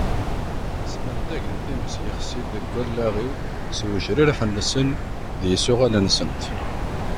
Smentagen times yexsin deg allaɣ-iw s uwejrireḥ-nsen d yisuɣan-nsent.